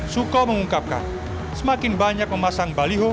suko mengungkapkan semakin banyak memasang baliho